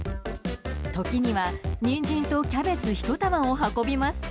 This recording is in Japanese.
時にはニンジンとキャベツ１玉を運びます。